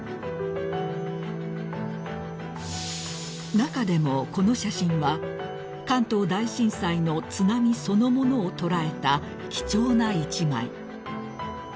［中でもこの写真は関東大震災の津波そのものを捉えた貴重な１枚］